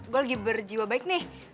gue lagi berjiwa baik nih